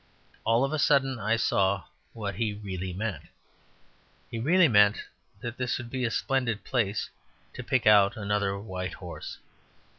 All of a sudden I saw what he really meant. He really meant that this would be a splendid place to pick out another white horse.